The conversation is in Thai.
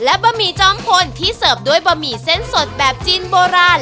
และบะหมี่จอมพลที่เสิร์ฟด้วยบะหมี่เส้นสดแบบจีนโบราณ